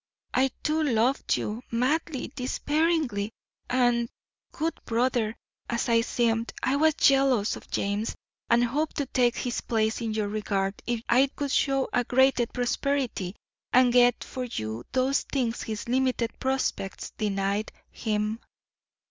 I too loved you, madly, despairingly, and, good brother as I seemed, I was jealous of James and hoped to take his place in your regard if I could show a greater prosperity and get for you those things his limited prospects denied him.